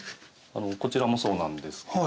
こちらもそうなんですけど。